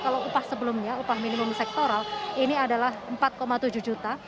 kalau upah sebelumnya upah minimum sektoral ini adalah empat tujuh juta